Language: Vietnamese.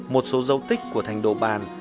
một số dấu tích của thành đồ bàn